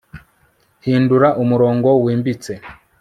Hindura umurongo wimbitse